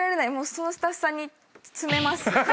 そのスタッフさんに詰めます。